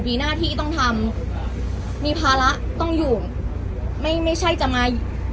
มีหน้าที่ต้องทำมีภาระต้องอยู่ไม่ไม่ใช่จะมา